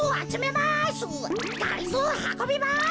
はこびます！